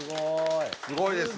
すごいですね。